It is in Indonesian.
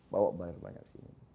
bawa bayar banyak sini